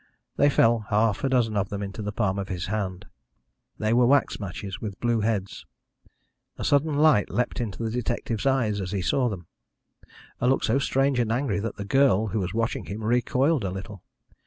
They fell, half a dozen of them, into the palm of his hand. They were wax matches, with blue heads. A sudden light leapt into the detective's eyes as he saw them a look so strange and angry that the girl, who was watching him, recoiled a little.